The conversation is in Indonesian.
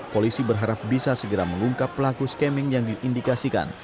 polisi berharap bisa segera mengungkap pelaku scamming yang diindikasikan